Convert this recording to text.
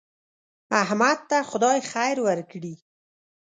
احمد ته خدای خیر ورکړي.